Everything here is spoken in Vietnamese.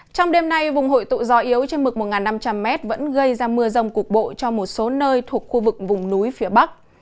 trong đêm nay vùng hội tụ gió yếu trên mực một năm trăm linh m vẫn gây ra mưa rông cục bộ cho một số nơi thuộc khu vực vùng núi phía bắc